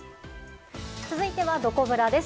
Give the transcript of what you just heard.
続いてはどこブラです。